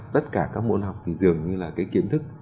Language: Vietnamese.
tất cả các môn học thì dường như là cái kiến thức